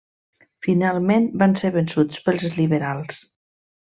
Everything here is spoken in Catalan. Finalment van ser vençuts pels liberals.